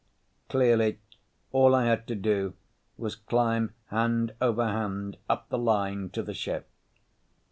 Clearly all I had to do was climb hand over hand up the line to the ship.